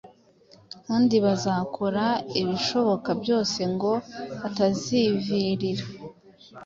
kandi bazakora ibishoboka byose ngo batazivirira